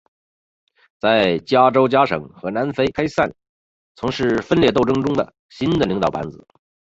在加丹加省和南非开赛从事分裂斗争中的新的领导班子。